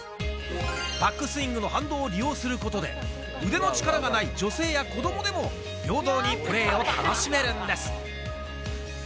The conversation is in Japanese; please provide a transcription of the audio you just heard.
バックスイングの反動を利用することで、腕の力がない女性や子どもでも、平等にプレーを楽しめるんです。